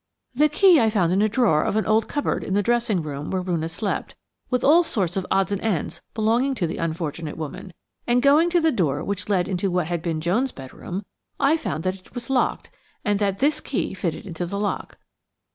"The key I found in a drawer of an old cupboard in the dressing room where Roonah slept, with all sorts of odds and ends belonging to the unfortunate woman, and going to the door which led into what had been Joan's bedroom, I found that it was locked, and that this key fitted into the lock.